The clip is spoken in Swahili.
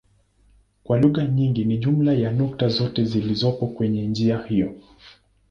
Kwa lugha nyingine ni jumla ya nukta zote zilizopo kwenye njia hiyo.